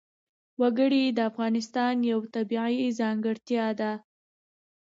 وګړي د افغانستان یوه طبیعي ځانګړتیا ده.